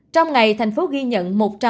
trong ngày thành phố ghi nhận